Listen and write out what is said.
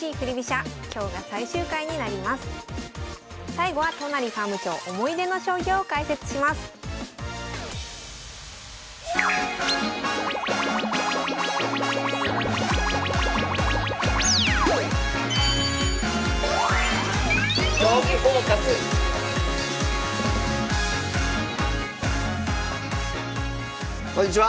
最後は都成ファーム長思い出の将棋を解説しますこんにちは。